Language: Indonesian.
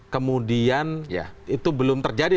kemudian itu belum terjadi